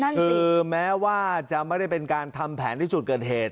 คือแม้ว่าจะไม่ได้เป็นการทำแผนที่จุดเกิดเหตุ